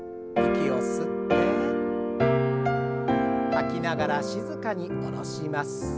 息を吸って吐きながら静かに下ろします。